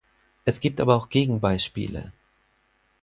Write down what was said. Es gibt aber auch Gegenbeispiele.